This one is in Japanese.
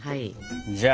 じゃあ。